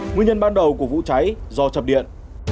nguyên nhân ban đầu của vụ cháy do chập điện